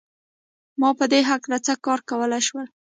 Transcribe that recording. ما په دې هکله څه کار کولای شول